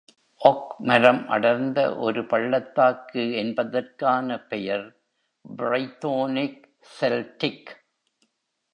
"Okay மரம் அடர்ந்த ஒரு பள்ளத்தாக்கு" என்பதற்கான பெயர் Brythonic Celtic.